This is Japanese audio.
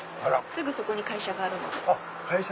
すぐそこに会社があるので。